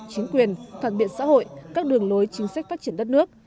chính quyền phản biện xã hội các đường lối chính sách phát triển đất nước